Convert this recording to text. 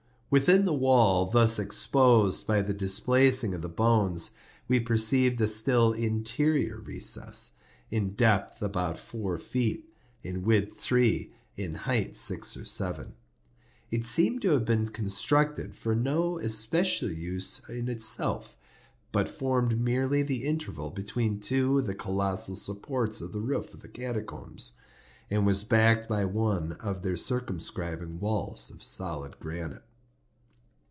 Within the wall thus exposed by the displacing of the bones, we perceived a still interior recess, in depth about four feet, in width three, in height six or seven. It seemed to have been constructed for no especial use in itself, but formed merely the interval between two of the colossal supports of the roof of the catacombs, and was backed by one of their circumscribing walls of solid granite.